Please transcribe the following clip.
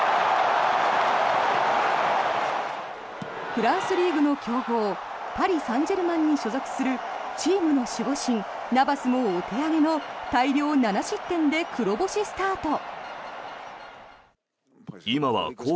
フランスリーグの強豪パリ・サンジェルマンに所属するチームの守護神ナバスもお手上げの大量７失点で黒星スタート。